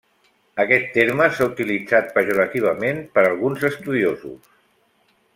Aquest terme s'ha utilitzat pejorativament per alguns estudiosos.